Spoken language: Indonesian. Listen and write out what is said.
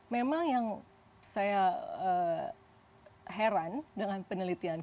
memang yang saya heran dengan penelitian